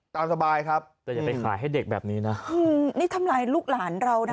ตามสบายครับแต่อย่าไปขายให้เด็กแบบนี้นะนี่ทำลายลูกหลานเรานะ